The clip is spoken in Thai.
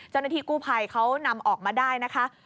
เจ้าหน้าที่กู้ภัยเขานำออกมาได้นะคะ